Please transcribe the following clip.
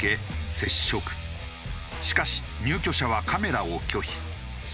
しかし入居者はカメラを拒否。